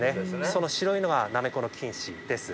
その白いのがなめこの菌糸です。